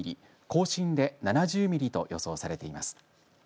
甲信で７０ミリと予想されています。